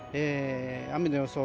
雨の予想